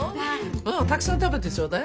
たくさん食べてちょうだい。